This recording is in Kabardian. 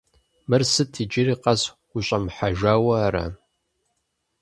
Мыр сыт, иджыри къэс ущӀэмыхьэжауэ ара?